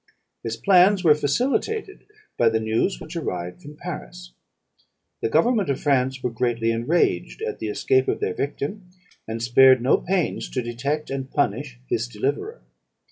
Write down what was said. His plans were facilitated by the news which arrived from Paris. "The government of France were greatly enraged at the escape of their victim, and spared no pains to detect and punish his deliverer.